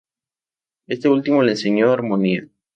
Este último le enseñó armonía.